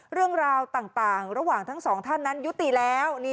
เรื่องราวต่างระหว่างทั้งสองท่านนั้นยุติแล้ว